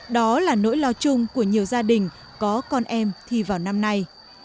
đó là nỗi lo chung của nhiều gia đình có con em thi vào năm nay